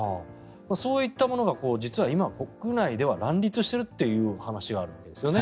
そういったものが実は今、国内では乱立しているという話があるわけですよね。